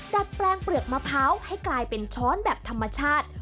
ดัดแปลงเปลือกมะพร้าวให้กลายเป็นช้อนแบบธรรมชาติ